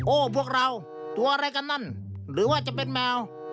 พวกเราตัวอะไรกันนั่นหรือว่าจะเป็นแมว